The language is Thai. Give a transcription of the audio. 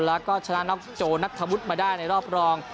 แล้วก็ชนะน็อกโจนัทธวุฒิมาได้ในรอบรอง